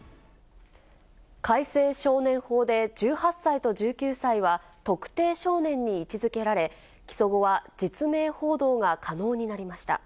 改正少年法で１８歳と１９歳は特定少年に位置づけられ、起訴後は実名報道が可能になりました。